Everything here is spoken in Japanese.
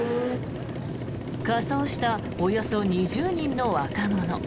仮装したおよそ２０人の若者。